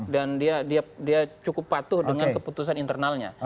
dia cukup patuh dengan keputusan internalnya